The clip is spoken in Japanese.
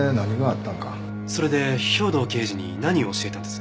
それで兵藤刑事に何を教えたんです？